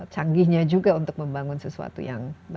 canggihnya juga untuk membangun sesuatu yang